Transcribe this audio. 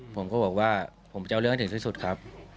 ผมก็บอกว่าผมจะเอาเรื่องให้ถึงที่สุดครับ